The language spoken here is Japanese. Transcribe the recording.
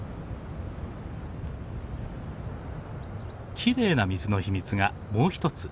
きれいな水の秘密がもう一つ。